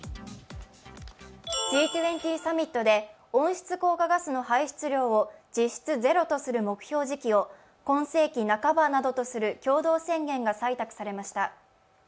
Ｇ２０サミットで、温室効果ガスの排出量を実質ゼロとする目標時期を今世紀半ばなどとする共同宣言が採択されました。